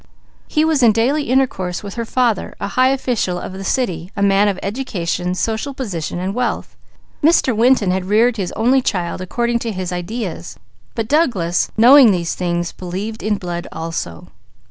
He was in daily intercourse with her father, a high official of the city, a man of education, social position, and wealth. Mr. Winton had reared his only child according to his ideas; but Douglas, knowing these things, believed in blood also.